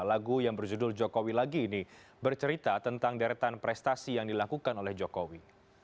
lagu yang berjudul jokowi lagi ini bercerita tentang deretan prestasi yang dilakukan oleh jokowi